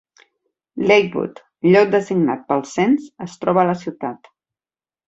Lakewood, lloc designat pel cens, es troba a la ciutat.